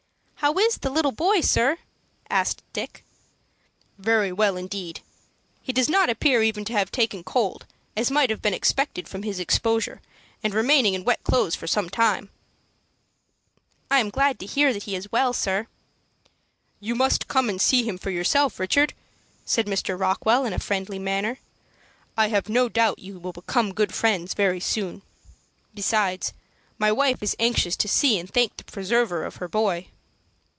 "How is the little boy, sir?" asked Dick. "Very well, indeed. He does not appear even to have taken cold, as might have been expected from his exposure, and remaining in wet clothes for some time." "I am glad to hear that he is well, sir." "You must come up and see him for yourself, Richard," said Mr. Rockwell, in a friendly manner. "I have no doubt you will become good friends very soon. Besides, my wife is anxious to see and thank the preserver of her boy."